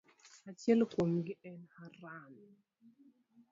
Achiel kuomgi en Haran.